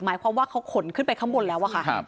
หมายความว่าเขาขนขึ้นไปข้างบนแล้วอะค่ะ